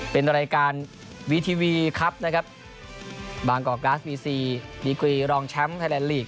เป็นรายการวีทีวีครับนะครับบางกอกกราฟบีซีดีกรีรองแชมป์ไทยแลนดลีก